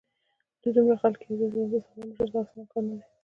د دومره خلکو یو ځای ساتل د سفر مشر ته اسانه کار نه دی.